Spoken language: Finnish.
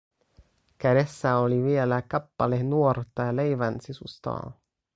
Kädessä oli vielä kappale nuorta leivänsisustaa.